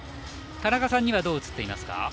田中さんにはどう映っていますか。